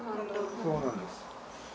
そうなんです。